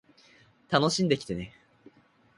楽しんできてね